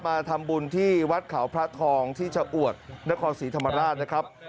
มาทำบุญที่วัดเขาพระทองที่ชะอวดนครศรีธรรมราชนะครับ